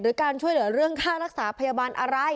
การช่วยเหลือเรื่องค่ารักษาพยาบาลอะไร